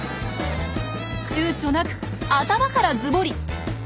ちゅうちょなく頭からズボリ！